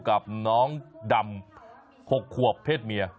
กับน้องดำ๖ขวบเพศเมีย